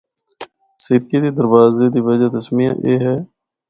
سرکی دے دروازے دی وجہ تسمیہ اے ہے۔